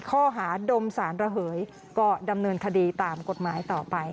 ข้อหาดมสารระเหยก็ดำเนินคดีตามกฎหมายต่อไป